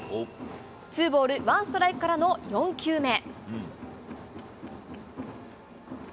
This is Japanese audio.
ツーボールワンストライクからの４球目。